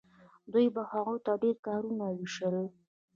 دوی به هغو ته ډیر کارونه ویشل.